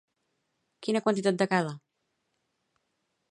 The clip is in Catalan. Quina quantitat de cada?